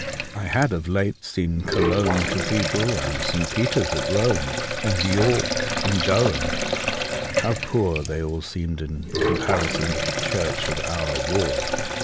I had of late seen Cologne Cathedral and St. Peter's at Rome, and York and Durham. How poor they all seemed in comparison with the church of our ward